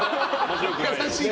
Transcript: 優しい。